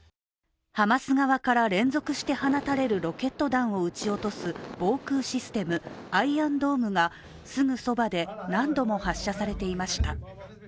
ハマス側から連続して放たれるロケット弾を撃ち落とす防空システム・アイアンドームがすぐそばで何度も発射されていました。